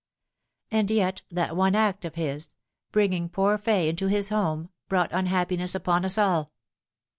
" And yet that one act of his, bringing poor Fay into his home, brought unhappiness upon us all.